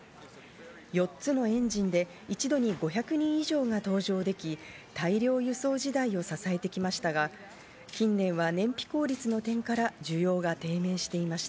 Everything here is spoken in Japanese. ４つのエンジンで一度に５００人以上が搭乗でき、大量輸送時代を支えてきましたが、近年は燃費効率の点から需要が低迷していました。